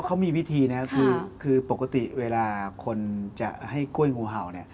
เขามีวิธีนะครับคือปกติเวลาคนจะให้กล้วยงูเห่าเนี่ย